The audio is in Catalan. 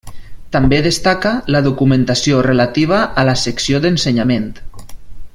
També destaca la documentació relativa a la secció d'ensenyament.